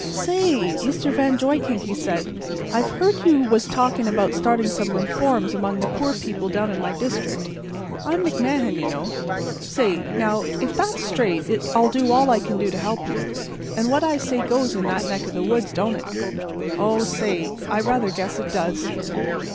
"Say, Mr. Van Duyckink," he said, "I've heard you was talking about starting some reforms among the poor people down in my district. I'm McMahan, you know. Say, now, if that's straight I'll do all I can to help you. And what I says goes in that neck of the woods, don't it? Oh, say, I rather guess it does."